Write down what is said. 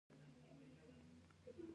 تېره شپه د احمد کور غلو وواهه.